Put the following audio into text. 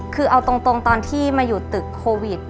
คือเอาตรงตอนที่มาอยู่ตึกโควิด